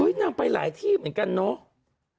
เฮ้ยนั่งไปหลายที่เหมือนกันเนอะ